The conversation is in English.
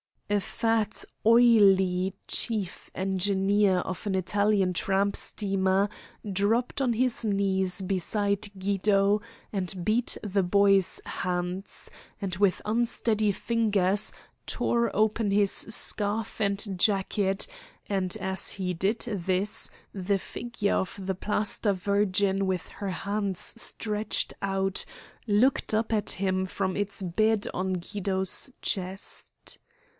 A fat oily chief engineer of an Italian tramp steamer dropped on his knees beside Guido and beat the boy's hands, and with unsteady fingers tore open his scarf and jacket, and as he did this the figure of the plaster Virgin with her hands stretched out looked up at him from its bed on Guido's chest.